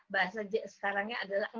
bahasa j sekarangnya adalah